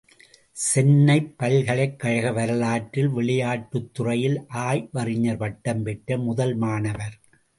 சென்னை பல்கலைக்கழக வரலாற்றில் விளையாட்டுத்துறையில் ஆய்வறிஞர் பட்டம் பெற்ற முதல் மாணவர்.